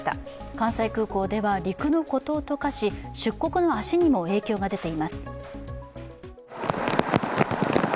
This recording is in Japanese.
関西空港は陸の孤島と化し、出国の足にも影響が出ています。